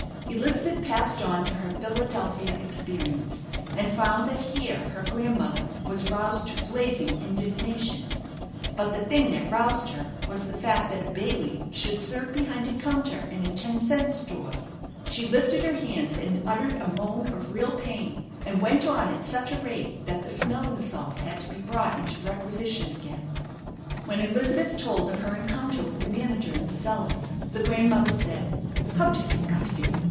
Elizabeth passed on to her Philadelphia experience, and found that here her grandmother was roused to blazing indignation, but the thing that roused her was the fact that a Bailey should serve behind a counter in a ten cent Store. She lifted her hands, and uttered a moan of real pain, and went on at such a rate that the smelling salts had to be brought into requisition again. When Elizabeth told of her encounter with the manager in the cellar, the grandmother said: "How disgusting!